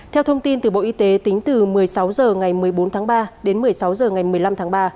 theo thông tin từ bộ y tế tính từ một mươi sáu h ngày một mươi bốn tháng ba đến một mươi sáu h ngày một mươi năm tháng ba